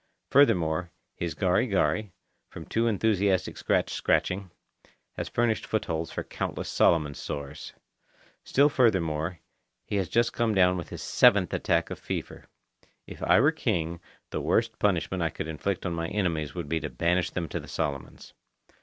Furthermore, his gari gari, from too enthusiastic scratch scratching, has furnished footholds for countless Solomon sores. Still furthermore, he has just come down with his seventh attack of fever. If I were king, the worst punishment I could inflict on my enemies would be to banish them to the Solomons.